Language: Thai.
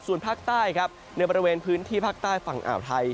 ส่วนภาคใต้ครับในบริเวณพื้นที่ภาคใต้ฝั่งอ่าวไทย